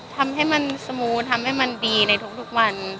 ทำให้มันสมูทำให้มันดีในทุกวัน